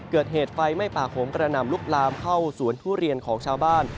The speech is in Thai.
เกิดเหตุไฟไหม้ป่าโหมกระหน่ำลุกลามเข้าสวนทุเรียนของชาวบ้าน